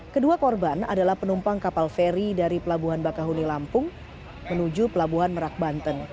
kedua korban adalah penumpang kapal feri dari pelabuhan bakahuni lampung menuju pelabuhan merak banten